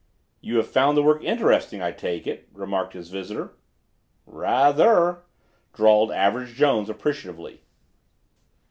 "You have found the work interesting, I take it," remarked the visitor. "Ra—ather," drawled Average Jones appreciatively.